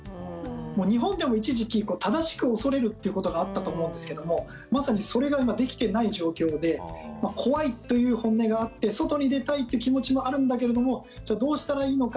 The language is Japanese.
日本でも一時期正しく恐れるということがあったと思うんですけどもまさにそれが今、できていない状況で怖いという本音があって外に出たいという気持ちもあるんだけれどもじゃあ、どうしたらいいのか。